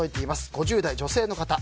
５０代女性の方。